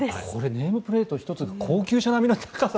ネームプレート１つが高級車並みの高さに。